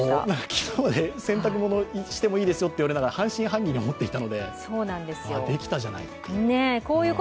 昨日は洗濯物してもいいですよと言われながら半信半疑に思っていたので、できたじゃないっていう。